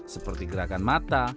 seperti gerakan mata